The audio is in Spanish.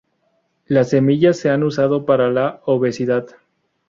Las semillas se han usado para la obesidad.